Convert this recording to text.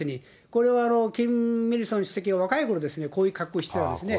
これはキム・イルソン主席が若いころですね、こういう格好してたんですね。